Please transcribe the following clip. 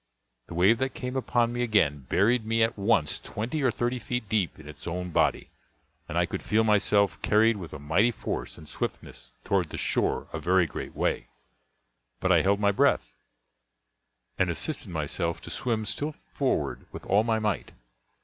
The wave that came upon me again buried me at once twenty or thirty feet deep in its own body, and I could feel myself carried with a mighty force and swiftness toward the shore a very great way; but I held my breath and assisted myself to swim still forward with all my might.